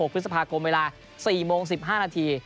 พฤษภาคมเวลา๔โมง๑๕นาที